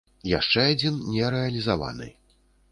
Яшчэ адзін не рэалізаваны.